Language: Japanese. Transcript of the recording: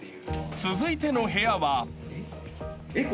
［続いての部屋は］えっ？